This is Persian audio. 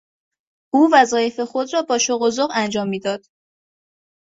او وظایف خود را با شوق و ذوق انجام میداد.